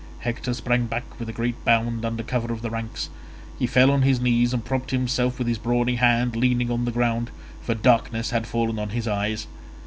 Hector sprang back with a great bound under cover of the ranks; he fell on his knees and propped himself with his brawny hand leaning on the ground, for darkness had fallen on his eyes.